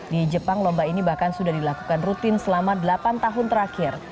di jepang lomba ini bahkan sudah dilakukan rutin selama delapan tahun terakhir